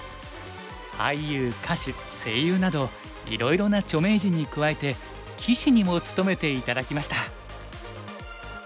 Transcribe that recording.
俳優歌手声優などいろいろな著名人に加えて棋士にも務めて頂きました。